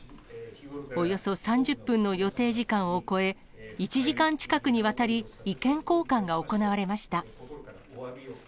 およそ３０分の予定時間を超え、１時間近くにわたり、意見交換が行われました。